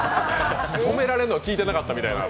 染められるのは聞いてなかったみたいな。